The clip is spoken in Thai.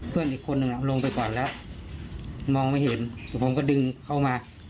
เพื่อนอีกคนนึงลงไปก่อนแล้วมองไม่เห็นผมก็ดึงเข้ามา